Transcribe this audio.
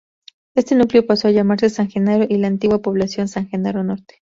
Este núcleo pasó a llamarse San Genaro y la antigua población San Genaro Norte.